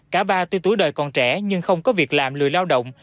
cả ba tuy tuổi đời còn trẻ nhưng không có việc làm lười lao động